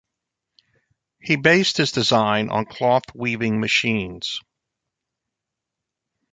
He based his design on cloth weaving machines.